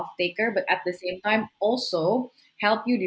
tetapi pada saat yang sama juga membantu anda